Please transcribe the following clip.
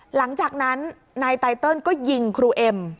หลังจากนั้นนายไตเติลก็ยิงครูเอ็ม